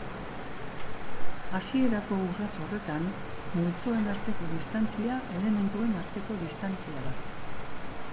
Hasierako urrats horretan, multzoen arteko distantzia elementuen arteko distantzia da.